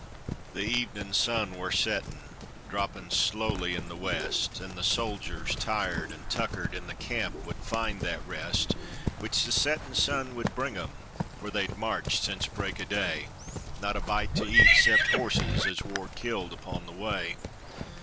] The evenin' sun war settin', droppin' slowly in the west, An' the soldiers, tired an' tuckered, in the camp would find that rest Which the settin' sun would bring 'em, for they'd marched since break o' day, Not a bite to eat 'cept horses as war killed upon the way.